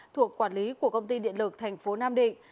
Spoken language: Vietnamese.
thuộc quản lý của công ty điện lực tp nam định